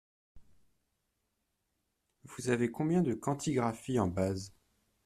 Vous avez combien de quantigraphies en base?